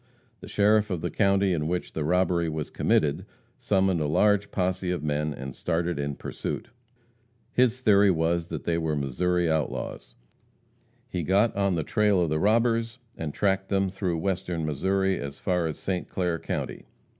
The sheriff of the county in which the robbery was committed summoned a large posse of men and started in pursuit. His theory was that they were Missouri outlaws. He got on the trail of the robbers, and tracked them through western Missouri as far as St. Clair county.